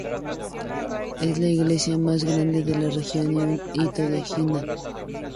Es la iglesia más grande de la región y un hito de Jinan.